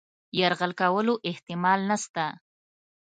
یرغل کولو احتمال نسته.